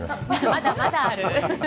まだまだある。